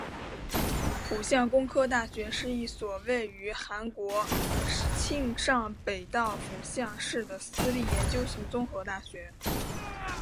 浦项工科大学是一所位于韩国庆尚北道浦项市的私立研究型综合大学。